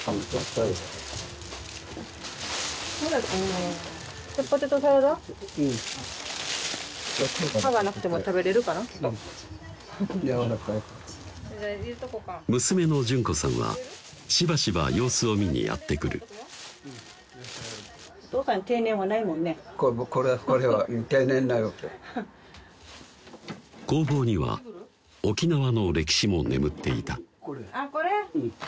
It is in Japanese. うん娘の淳子さんはしばしば様子を見にやって来るこれはこれは工房には沖縄の歴史も眠っていたあっこれ？